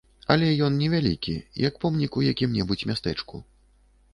Але ён невялікі, як помнік у якім-небудзь мястэчку.